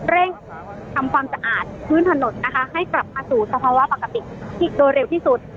เร่งทำความสะอาดพื้นถนนนะคะให้กลับมาสู่สภาวะปกติโดยเร็วที่สุด